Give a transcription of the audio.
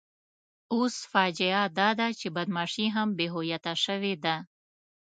اوس فاجعه داده چې بدماشي هم بې هویته شوې ده.